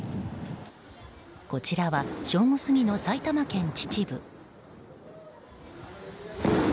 こちらは正午過ぎの埼玉県秩父。